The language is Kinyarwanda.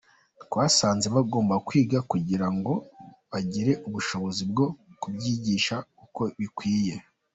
Twasanze bagomba kwiga kugira ngo bagire ubushobozi bwo kubyigisha uko bikwiriye.